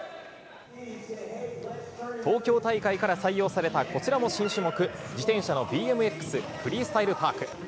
東京大会から採用された、こちらも新種目、自転車のＢＭＸフリースタイル・パーク。